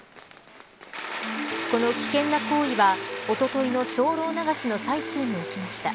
この危険な行為はおとといの精霊流しの最中に起きました。